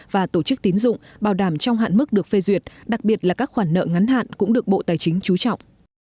và tổ chức tín dụng bảo đảm trong hạn mức được phê duyệt đặc biệt là các khoản nợ ngắn hạn cũng được bộ tài chính chú trọng